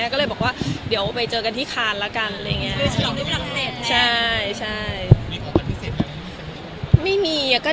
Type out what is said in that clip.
ก็เลยบอกว่าเดี๋ยวไปเจอกันที่คานแล้วกัน